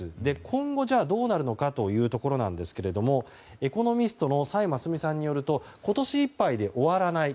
今後、どうなるのかというところエコノミストの崔真淑さんによると今年いっぱいで終わらない。